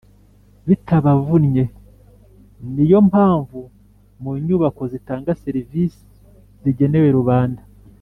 bitabavunnye. ni yo mpamvu, mu nyubako zitanga serivisi zigenewe rubanda